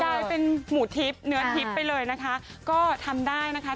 กลายเป็นหมูทิพย์เนื้อทิพย์ไปเลยนะคะก็ทำได้นะคะ